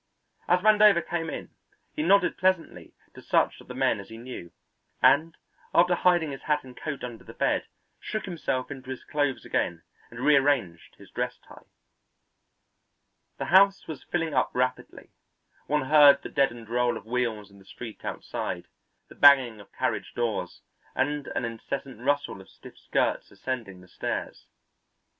As Vandover came in, he nodded pleasantly to such of the men as he knew, and, after hiding his hat and coat under the bed, shook himself into his clothes again and rearranged his dress tie. The house was filling up rapidly; one heard the deadened roll of wheels in the street outside, the banging of carriage doors, and an incessant rustle of stiff skirts ascending the stairs.